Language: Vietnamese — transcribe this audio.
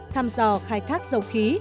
thăm dò khai thác dầu khí